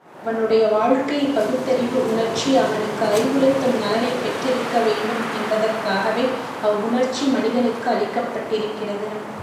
அவனுடைய வாழ்க்கை பகுத்தறிவு உணர்ச்சி அவனுக்கு அறிவுறுத்தும் நலனைப் பெற்றிருக்க வேண்டும் என்பதற்காகவே அவ்வுணர்ச்சி மனிதனுக்கு அளிக்கப்பட்டிருக்கிறது.